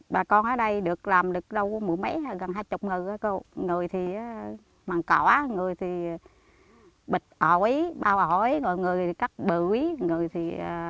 bà con ở đây được làm được đâu mỗi mấy gần hai chục người người thì bằng cỏ người thì bịt ổi bao ổi người thì cắt bưởi